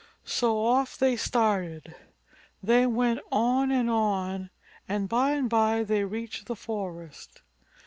So off they started. They went on and on and by and by they reached the forest.